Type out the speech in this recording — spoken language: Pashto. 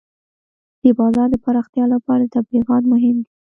د بازار د پراختیا لپاره تبلیغات مهم دي.